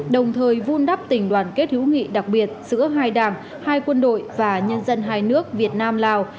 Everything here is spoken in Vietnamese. đồng thời vun đắp tình đoàn kết hữu nghị đặc biệt giữa hai đảng hai quân đội và nhân dân hai nước việt nam lào